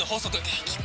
できた！